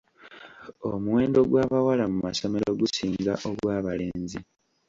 Omuwendo gw'abawala mu masomero gusinga ogw'abalenzi.